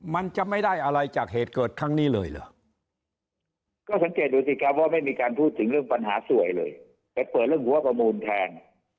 แต่เปิดเรื่องหัวประมูลแทน